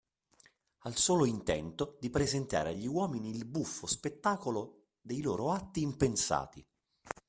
Al solo intento di presentare agli uomini il buffo spettacolo dei loro atti impensati